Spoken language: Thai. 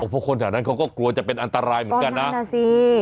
ครั้งนั้นเขาก็กลัวปีอลังตรายเหมือนกันนะแล้วพวกนั้นสิ